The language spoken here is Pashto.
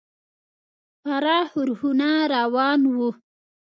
پراخ ښورښونه روان وو.